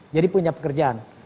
jadi punya pekerjaan